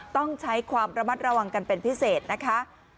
ต้องใช้ความระมัดระวังกันเป็นพิเศษนะคะ